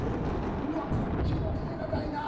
うわっこっちも捨てがたいな。